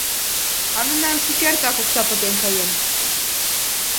А мемнан шукертак окса пытен каен.